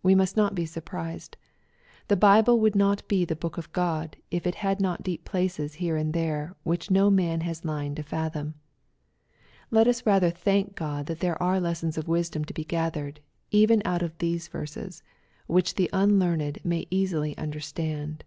We must not be surprised. The Bible would not be the book of God, if it had not deep places here and there, which man has no line to fathom. Let us rather thank God that there are lessons of wisdom to be gathered, even out of these verses, which the unlearned may easily understand.